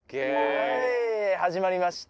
はい始まりました。